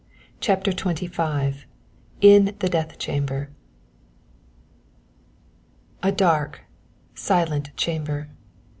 CHAPTER XXV IN THE DEATH CHAMBER A dark, silent chamber.